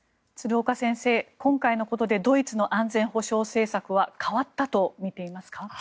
鶴岡先生、今回のことでドイツの安全保障政策は変わったと見ていますか？